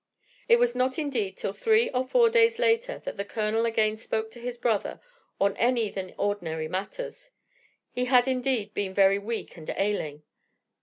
It was not indeed till three or four days later that the Colonel again spoke to his brother on any than ordinary matters. He had indeed been very weak and ailing.